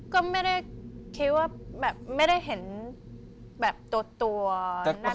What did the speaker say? ก็ไม่ได้คิดว่าแบบไม่ได้เห็นแบบตัวนั่น